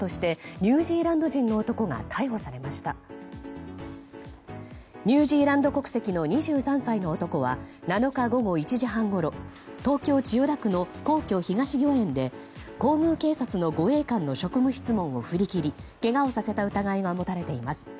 ニュージーランド国籍の２３歳の男は７日午後１時半ごろ東京・千代田区の皇居東御苑で皇宮警察の護衛官の職務質問を振り切りけがをさせた疑いが持たれています。